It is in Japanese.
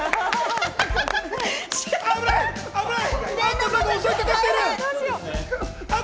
危ない！